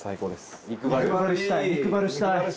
肉バルしたい！